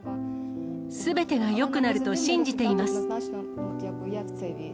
すべてがよくなると信じています。